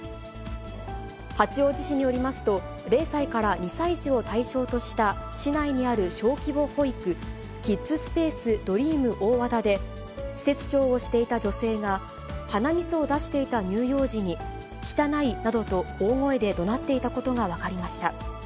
八王子市によりますと、０歳から２歳児を対象とした市内にある小規模保育、キッズスペースドリーム大和田で、施設長をしていた女性が、鼻水を出していた乳幼児に、汚いなどと大声でどなっていたことが分かりました。